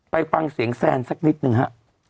ไปฟังเสียงแซนสักนิดหนึ่งฮะ